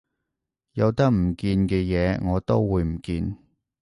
有得唔見嘅嘢我都會唔見